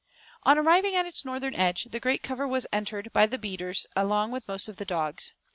On arriving at its northern edge, the great cover was entered by the beaters along with most of the dogs.